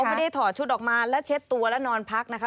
ไม่ได้ถอดชุดออกมาแล้วเช็ดตัวแล้วนอนพักนะคะ